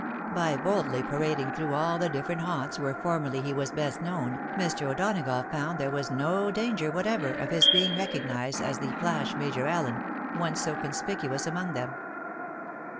By boldly parading through all the different haunts where formerly he was best known, Mi*. O'Donagough found there was no danger whatever of his being recognised as the flash Major AUen, once so con spicuous among them.